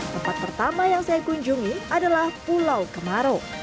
tempat pertama yang saya kunjungi adalah pulau kemaro